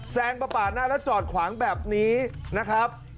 แซงมาปาดหน้าแล้วจอดขวางแบบนี้นะครับ